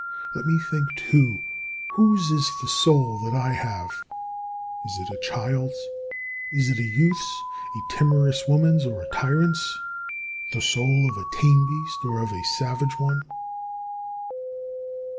Let me think, too, whose is the soul that I have. Is it a child's? Is it a youth's, a timorous woman's, or a tyrant's; the soul of a tame beast or of a savage one?